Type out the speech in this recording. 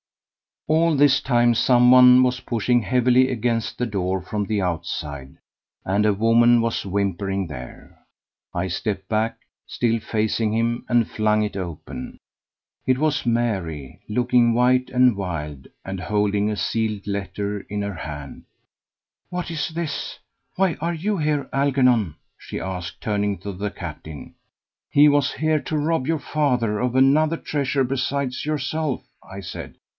All this time some one was pushing heavily against the door from the outside, and a woman was whimpering there. I stepped back, still facing him, and flung it open. It was Mary, looking white and wild, and holding a sealed letter in her hand. "What is this? Why are you here, Algernon?" she asked, turning to the captain. "He was here to rob your father of another treasure besides yourself," I said.